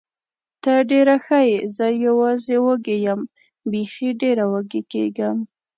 ته ډېره ښه یې، زه یوازې وږې یم، بېخي ډېره وږې کېږم.